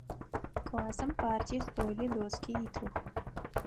Классым парти, столи, доски итых.